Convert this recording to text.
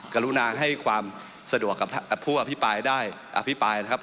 กรุณาให้ความสะดวกกับผู้อภิปรายได้อภิปรายนะครับ